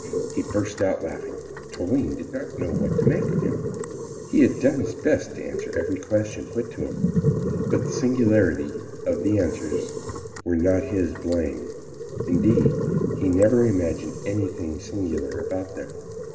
He burst out laughing. Toline did not know what to make of him. He had done his best to answer every question put to him. But the singularity of the answers were not his blame; indeed, he never imagined anything singular about them.